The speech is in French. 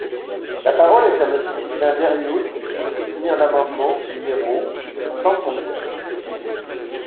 La parole est à Monsieur Sylvain Berrios, pour soutenir l’amendement numéro cent trente-quatre.